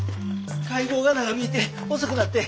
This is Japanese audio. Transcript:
会合が長引いて遅くなって。